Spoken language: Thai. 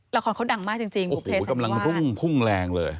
ละครเขาดังมากจริงจริงบุคเทสัมนีวาลโอ้โหกำลังพุ่งพุ่งแรงเลย